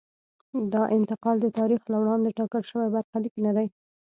دا انتقال د تاریخ له وړاندې ټاکل شوی برخلیک نه دی.